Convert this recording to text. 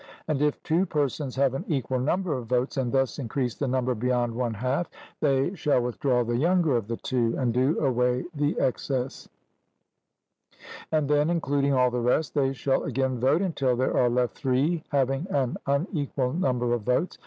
And if two persons have an equal number of votes, and thus increase the number beyond one half, they shall withdraw the younger of the two and do away the excess; and then including all the rest they shall again vote, until there are left three having an unequal number of votes.